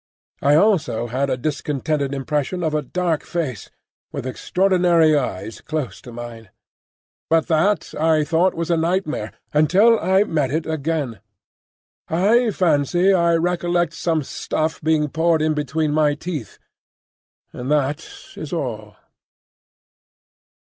I also had a disconnected impression of a dark face, with extraordinary eyes, close to mine; but that I thought was a nightmare, until I met it again. I fancy I recollect some stuff being poured in between my teeth; and that is all.